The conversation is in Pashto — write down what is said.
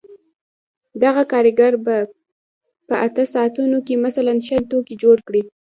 دغه کارګر په اته ساعتونو کې مثلاً شل توکي جوړ کړي